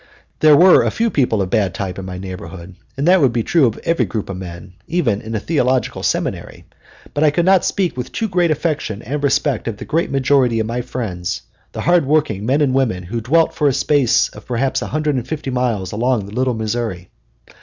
There were a few people of bad type in my neighborhood that would be true of every group of men, even in a theological seminary but I could not speak with too great affection and respect of the great majority of my friends, the hard working men and women who dwelt for a space of perhaps a hundred and fifty miles along the Little Missouri.